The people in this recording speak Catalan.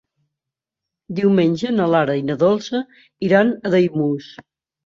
Diumenge na Lara i na Dolça iran a Daimús.